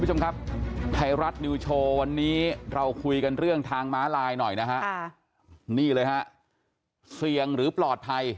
วันนี้เราคุยกันเรื่องทางม้าลายหน่อยนะฮะอ่านี่เลยฮะเสียงหรือปลอดภัย